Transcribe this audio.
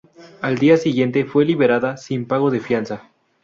Al día siguiente, fue liberada sin pago de fianza.